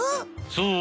そう。